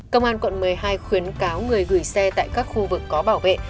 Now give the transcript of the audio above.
công an quận một mươi hai khuyến cáo người gửi xe tại các khu vực có bảo vệ